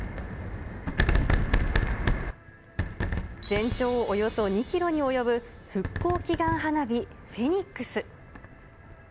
全長およそ２キロに及ぶ復興祈願花火、フェニックス。